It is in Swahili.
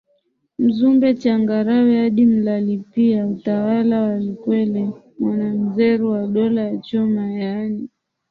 Mzumbe Changarawe hadi MlaliPia utawala wa Lukwele Mwanamzeru wa Dola ya Choma yaani